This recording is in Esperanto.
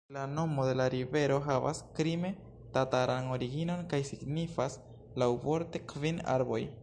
La nomo de la rivero havas krime-tataran originon kaj signifas laŭvorte «kvin arboj».